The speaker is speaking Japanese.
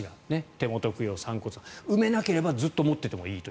手元供養、散骨埋めなければずっと持っててもいいと。